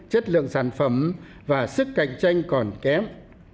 chất lượng sản phẩm và sức cạnh tranh còn kém